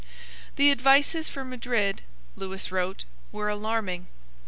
The advices from Madrid, Lewis wrote, were alarming.